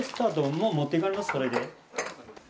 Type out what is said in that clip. もう持っていかれます、これで。